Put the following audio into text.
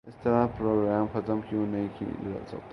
اس طرح کے پروگرام ختم کیوں نہیں کیے جاتے ہیں